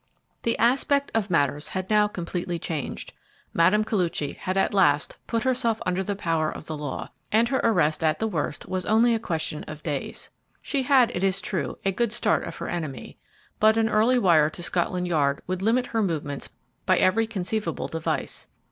THE aspect of matters had now completely changed. Mme. Koluchy had at last put herself under the power of the law, and her arrest at the worst was only a question of days. She had, it is true, a good start of her enemy, but an early wire to Scotland Yard would limit her movements by every conceivable device.